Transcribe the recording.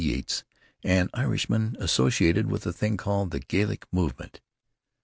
B. Yeats, an Irishman associated with a thing called the Gaelic Movement.